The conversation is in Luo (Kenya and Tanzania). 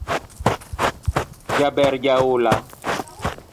Jabber jaula